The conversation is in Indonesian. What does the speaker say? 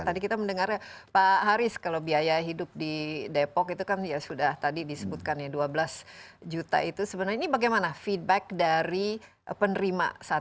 tadi kita mendengarnya pak haris kalau biaya hidup di depok itu kan ya sudah tadi disebutkan ya dua belas juta itu sebenarnya ini bagaimana feedback dari penerima